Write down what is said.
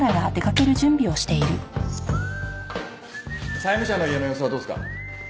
債務者の家の様子はどうすか？